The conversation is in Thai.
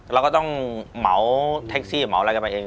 เราก็ต้องเหมาแท็กซี่เหมาอะไรกันไปเอง